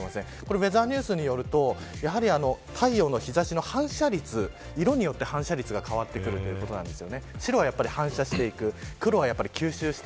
ウェザーニュースによると太陽の日差しの反射率色によって反射率が変わってくるということなんです。